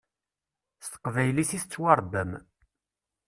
S teqbaylit i tettwaṛebbam.